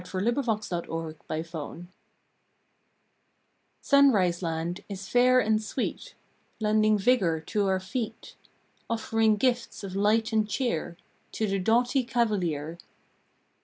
November Third LANDS OF PROMISE OUNRISELAND is fair and sweet, ^ Lending vigor to our feet, Offering gifts of light and cheer To the doughty cavalier.